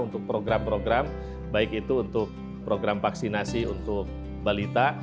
untuk program program baik itu untuk program vaksinasi untuk balita